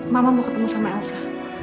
mama mau ketemu sama elsa